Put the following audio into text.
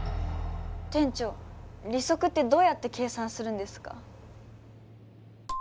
店長利息ってどうやって計算するんですか？